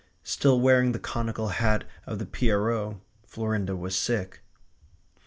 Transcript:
Still wearing the conical white hat of a pierrot, Florinda was sick.